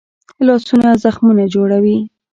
لاسونه زخمونه جوړوي